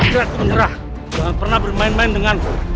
kalian tidak bisa menyerah jangan pernah bermain main dengan aku